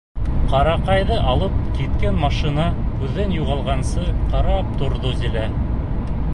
Ҡараҡайҙы алып киткән машина күҙҙән юғалғансы ҡарап торҙо Зилә.